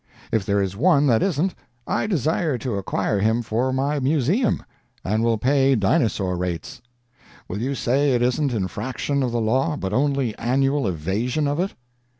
If there is one that isn't, I desire to acquire him for my museum, and will pay Dinosaur rates. Will you say it isn't infraction of the law, but only annual evasion of it?